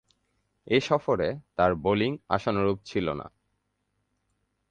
এ সফরে তার বোলিং আশানুরূপ ছিল না।